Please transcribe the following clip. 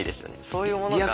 そういうものが。